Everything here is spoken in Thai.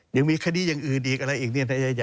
ยังมีคดียังอื่นอีกอะไรอีกเนี่ย